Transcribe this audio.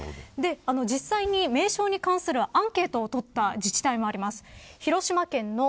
実際に名称に関するアンケートを取った自治体もあります。